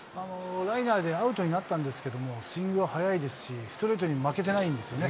ライナーでアウトになったんですけども、スイングは速いですし、ストレートに負けてないんですね。